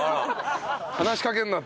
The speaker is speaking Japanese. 話しかけんな！